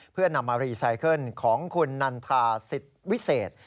เพื่อนำมารีไซเคิลของคุณนันทาสิทธิ์วิเศษ